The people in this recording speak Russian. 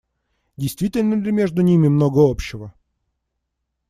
Действительно ли между ними много общего?